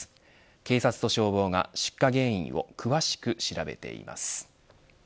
警察と消防が出火原因を詳しく調べています。